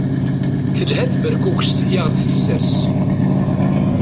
Telha tberkukest i aɣ-d-tesres.